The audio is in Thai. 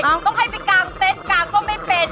ห้อต้องให้เค้าไปกางเต้นกางก็ไม่เป็น